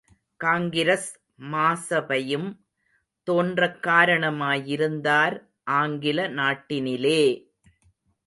காங்கிரஸ் மாசபையும் தோன்றக் காரண மாயிருந்தார் ஆங்கில நாட்டினிலே!